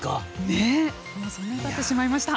そんなにたってしまいました。